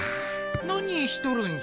・何しとるんじゃ？